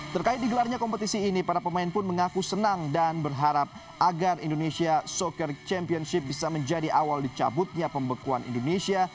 terkait digelarnya kompetisi ini para pemain pun mengaku senang dan berharap agar indonesia soccer championship bisa menjadi awal dicabutnya pembekuan indonesia